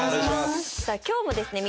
さあ今日もですね